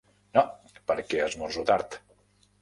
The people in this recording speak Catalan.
No, perquè esmorzo tard.